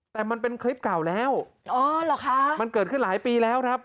แต่มันเป็นคลิปเก่าแล้วอ๋อเหรอคะมันเกิดขึ้นหลายปีแล้วครับ